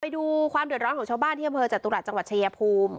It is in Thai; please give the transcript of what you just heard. ไปดูความเดือดร้อนของชาวบ้านที่อำเภอจตุรัสจังหวัดชายภูมิ